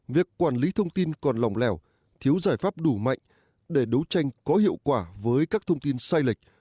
việc quản lý thông tin còn lòng lèo thiếu giải pháp đủ mạnh để đấu tranh có hiệu quả với các thông tin sai lệch